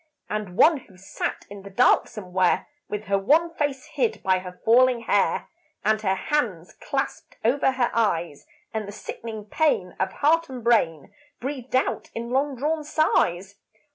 And one who sat in the dark somewhere, With her wan face hid by her falling hair, And her hands clasped over her eyes; And the sickening pain of heart and brain Breathed out in long drawn sighs.